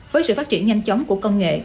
với sự phát triển nhanh chóng của công nghệ